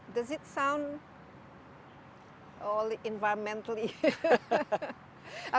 apakah itu terdengar secara lingkungan